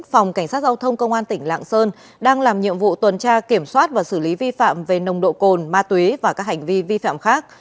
phòng cảnh sát giao thông công an tỉnh lạng sơn đang làm nhiệm vụ tuần tra kiểm soát và xử lý vi phạm về nồng độ cồn ma túy và các hành vi vi phạm khác